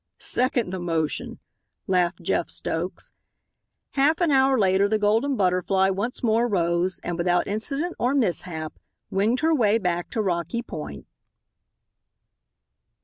"Second the motion," laughed Jeff Stokes. Half an hour later the Golden Butterfly once more rose, and without incident or mishap winged her way back to Rocky Point.